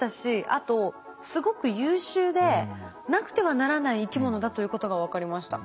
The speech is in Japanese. あとすごく優秀でなくてはならない生き物だということが分かりました。